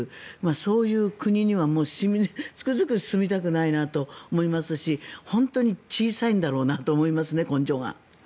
そういう国にはつくづく住みたくないなと思いますし本当に小さいんだろうなと思いますね、根性が。